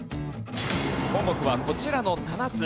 項目はこちらの７つ。